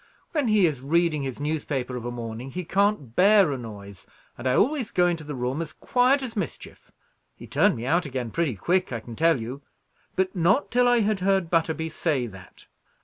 "When he is reading his newspaper of a morning, he can't bear a noise, and I always go into the room as quiet as mischief. He turned me out again pretty quick, I can tell you; but not till I had heard Butterby say that."